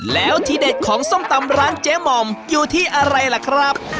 แล้วที่เด็ดของส้มตำร้านเจ๊หม่อมอยู่ที่อะไรล่ะครับ